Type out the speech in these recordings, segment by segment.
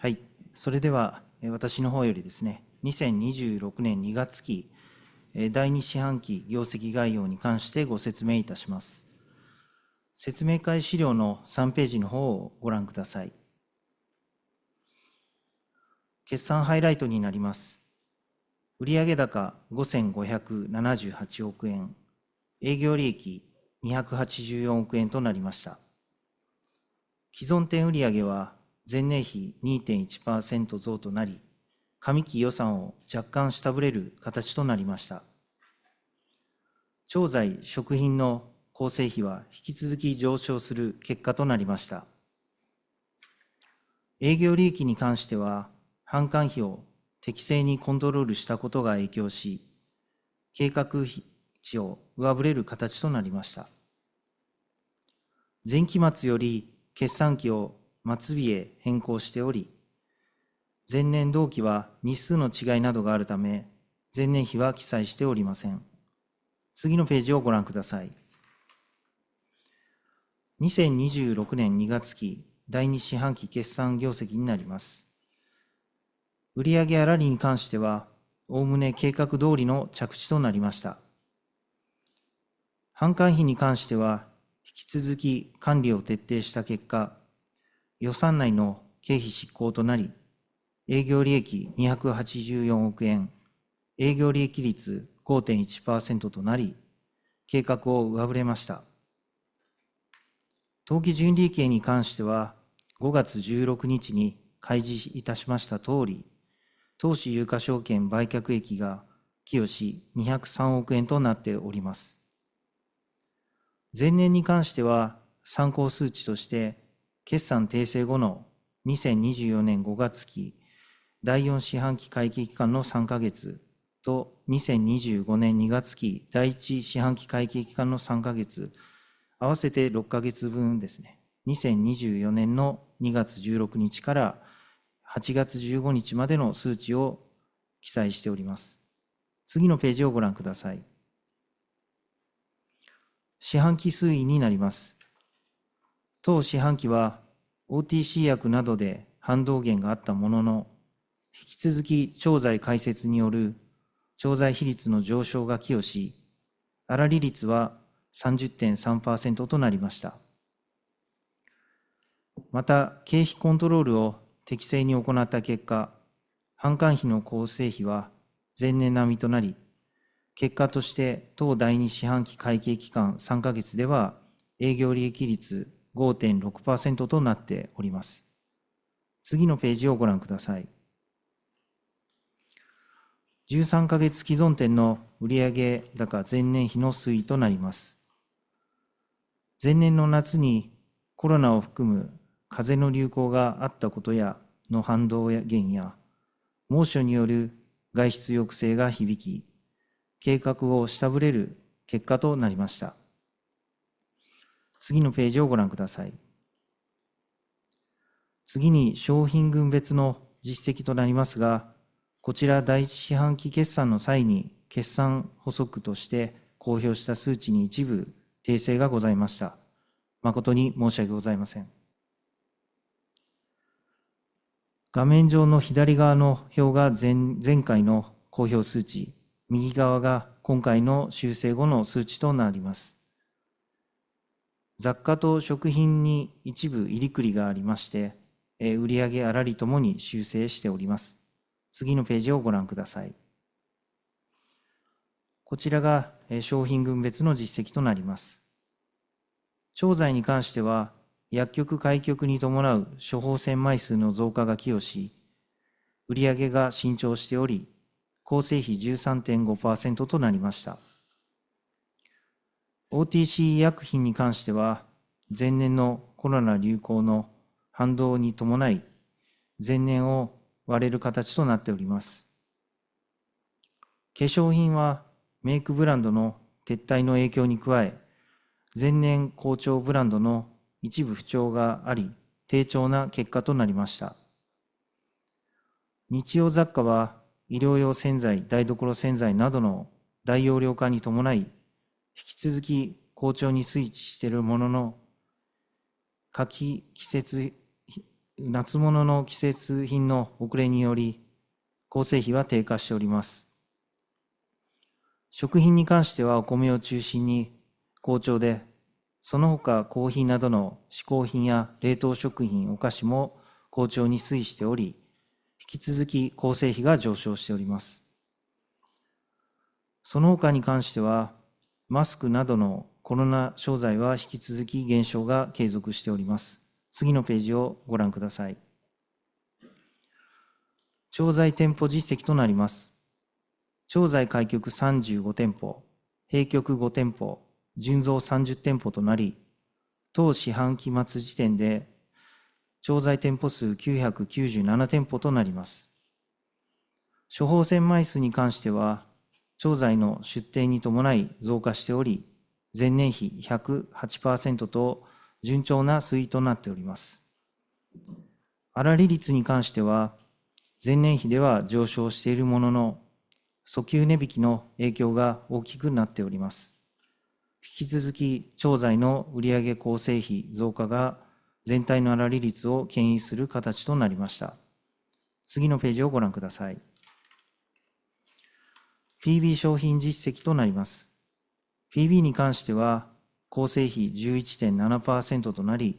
はい、それでは、私のほうより2026年2月期第2四半期業績概要に関してご説明いたします。説明会資料の3ページのほうをご覧ください。決算ハイライトになります。売上高 ¥5,578 億円、営業利益 ¥284 億円となりました。既存店売上は前年比 2.1% 増となり、上期予算を若干下振れる形となりました。調剤、食品の構成比は引き続き上昇する結果となりました。営業利益に関しては、販管費を適正にコントロールしたことが影響し、計画を上振れる形となりました。前期末より決算期を2月末へ変更しており、前年同期は日数の違いなどがあるため、前年比は記載しておりません。次のページをご覧ください。2026年2月期第2四半期決算業績になります。売上粗利に関しては、おおむね計画どおりの着地となりました。販管費に関しては、引き続き管理を徹底した結果、予算内の経費執行となり、営業利益 ¥284 億円、営業利益率 5.1% となり、計画を上振れました。当期純利益に関しては、5月16日に開示いたしましたとおり、投資有価証券売却益が寄与し ¥203 億円となっております。前年に関しては、参考数値として、決算訂正後の2024年5月期第4四半期会計期間の3か月と、2025年2月期第1四半期会計期間の3か月、合わせて6か月分、2024年の2月16日から8月15日までの数値を記載しております。次のページをご覧ください。四半期推移になります。当四半期は OTC 薬などで反動減があったものの、引き続き調剤開設による調剤比率の上昇が寄与し、粗利率は 30.3% となりました。また、経費コントロールを適正に行った結果、販管費の構成比は前年並みとなり、結果として当第2四半期会計期間3か月では営業利益率 5.6% となっております。次のページをご覧ください。13か月既存店の売上高前年比の推移となります。前年の夏にコロナを含む風邪の流行があったことの反動減や、猛暑による外出抑制が響き、計画を下振れる結果となりました。次のページをご覧ください。次に商品群別の実績となりますが、こちら第1四半期決算の際に決算補足として公表した数値に一部訂正がございました。誠に申し訳ございません。画面上の左側の表が前回の公表数値、右側が今回の修正後の数値となります。雑貨と食品に一部入り繰りがありまして、売上粗利ともに修正しております。次のページをご覧ください。こちらが商品群別の実績となります。調剤に関しては、薬局開局に伴う処方箋枚数の増加が寄与し、売上が伸長しており、構成比 13.5% となりました。OTC 医薬品に関しては、前年のコロナ流行の反動に伴い、前年を割れる形となっております。化粧品はメイクブランドの撤退の影響に加え、前年好調ブランドの一部不調があり、低調な結果となりました。日用雑貨は医療用洗剤、台所洗剤などの大容量化に伴い、引き続き好調に推移しているものの、夏物の季節品の遅れにより、構成比は低下しております。食品に関してはお米を中心に好調で、そのほかコーヒーなどの嗜好品や冷凍食品、お菓子も好調に推移しており、引き続き構成比が上昇しております。そのほかに関しては、マスクなどのコロナ商材は引き続き減少が継続しております。次のページをご覧ください。調剤店舗実績となります。調剤開局35店舗、閉局5店舗、純増30店舗となり、当四半期末時点で調剤店舗数997店舗となります。処方箋枚数に関しては、調剤の出店に伴い増加しており、前年比 108% と順調な推移となっております。粗利率に関しては、前年比では上昇しているものの、遡及値引きの影響が大きくなっております。引き続き調剤の売上構成比増加が全体の粗利率を牽引する形となりました。次のページをご覧ください。PB 商品実績となります。PB に関しては構成比 11.7% となり、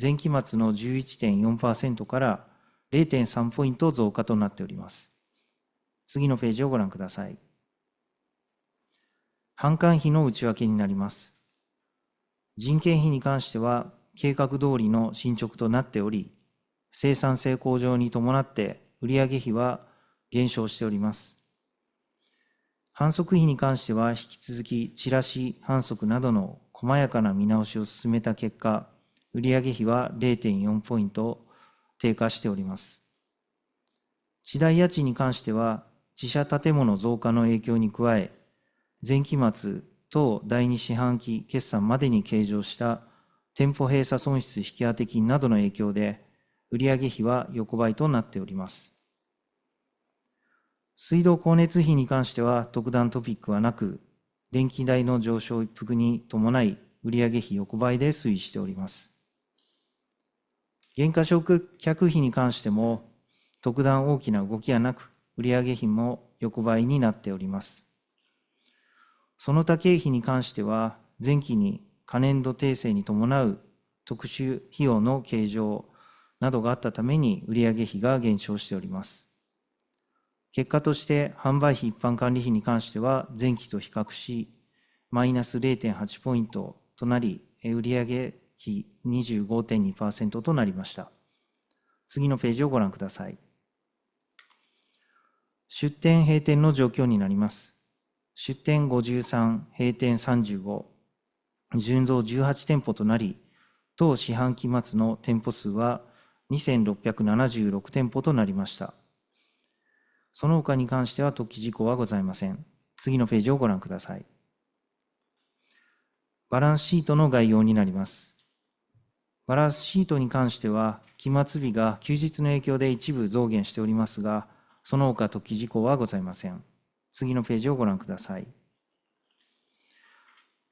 前期末の 11.4% から 0.3 ポイント増加となっております。次のページをご覧ください。販管費の内訳になります。人件費に関しては計画どおりの進捗となっており、生産性向上に伴って売上比は減少しております。販促費に関しては引き続きチラシ、販促などの細やかな見直しを進めた結果、売上比は 0.4 ポイント低下しております。地代家賃に関しては自社建物増加の影響に加え、前期末、当第2四半期決算までに計上した店舗閉鎖損失引当金などの影響で売上比は横ばいとなっております。水道光熱費に関しては特段トピックはなく、電気代の上昇一服に伴い売上比横ばいで推移しております。減価償却費に関しても特段大きな動きはなく、売上比も横ばいになっております。その他経費に関しては前期に過年度訂正に伴う特殊費用の計上などがあったために売上比が減少しております。結果として販売費一般管理費に関しては前期と比較しマイナス 0.8 ポイントとなり、売上比 25.2% となりました。次のページをご覧ください。出店閉店の状況になります。出店 53、閉店 35、純増18店舗となり、当四半期末の店舗数は 2,676 店舗となりました。そのほかに関しては特記事項はございません。次のページをご覧ください。バランスシートの概要になります。バランスシートに関しては期末日が休日の影響で一部増減しておりますが、そのほか特記事項はございません。次のページをご覧ください。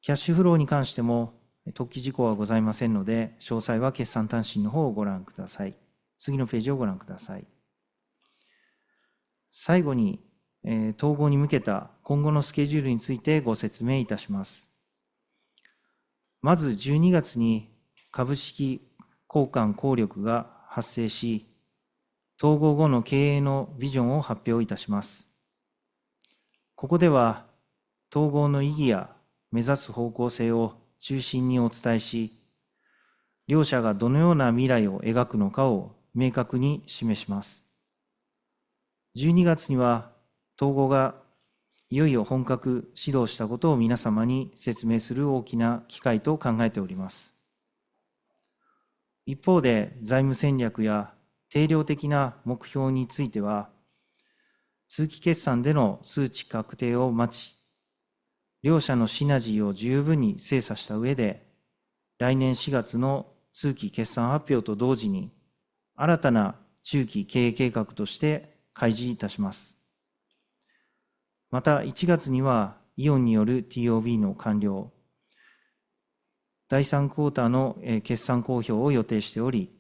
キャッシュフローに関しても特記事項はございませんので、詳細は決算短信のほうをご覧ください。次のページをご覧ください。最後に、統合に向けた今後のスケジュールについてご説明いたします。まず12月に株式交換効力が発生し、統合後の経営のビジョンを発表いたします。ここでは統合の意義や目指す方向性を中心にお伝えし、両者がどのような未来を描くのかを明確に示します。12月には統合がいよいよ本格始動したことを皆様に説明する大きな機会と考えております。一方で財務戦略や定量的な目標については通期決算での数値確定を待ち、両者のシナジーを十分に精査した上で、来年4月の通期決算発表と同時に新たな中期経営計画として開示いたします。また1月にはイオンによる TOB の完了、第3四半期の決算公表を予定しており、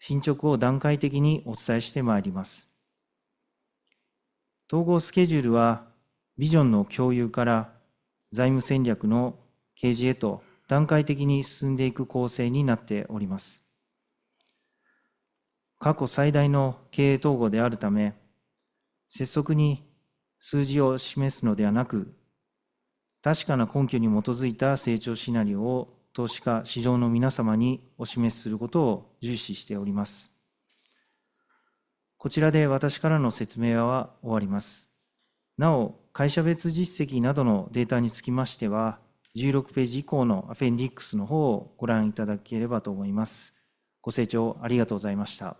進捗を段階的にお伝えしてまいります。統合スケジュールはビジョンの共有から財務戦略の提示へと段階的に進んでいく構成になっております。過去最大の経営統合であるため、拙速に数字を示すのではなく、確かな根拠に基づいた成長シナリオを投資家、市場の皆様にお示しすることを重視しております。こちらで私からの説明は終わります。なお、会社別実績などのデータにつきましては16ページ以降のアペンディックスのほうをご覧いただければと思います。ご清聴ありがとうございました。